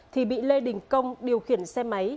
thì bị lê đình công điều khiển xe máy